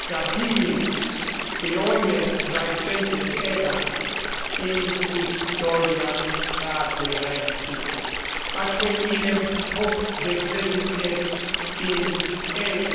Gabinius, qui omnes praesentes erant, in custodiam traderentur; atque idem hoc decretum est in L.